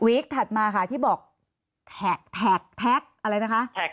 ถัดมาค่ะที่บอกแท็กแท็กอะไรนะคะ